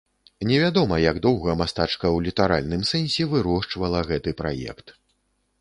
Невядома, як доўга мастачка ў літаральным сэнсе вырошчвала гэты праект.